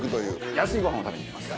安いごはんを食べに行きます。